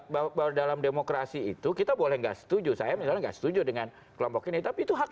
bapak dalam demokrasi itu kita boleh enggak setuju saya nggak setuju dengan kelompok ini tapi itu hak